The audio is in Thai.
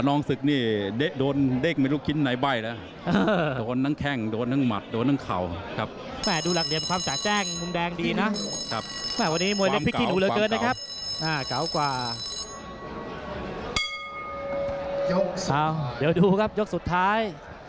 เดี๋ยวดูครับยกสุดท้าย